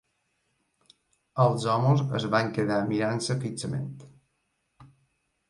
Els homes es van quedar mirant-se fixament.